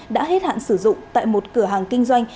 đã hết hạn sử dụng tại một cửa hàng kinh doanh